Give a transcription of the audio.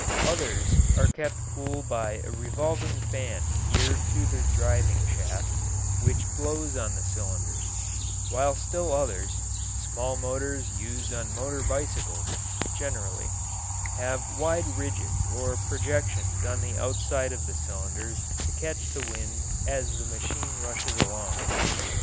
Others are kept cool by a revolving fan geared to the driving shaft, which blows on the cylinders; while still others small motors used on motor bicycles, generally have wide ridges or projections on the outside of the cylinders to catch the wind as the machine rushes along.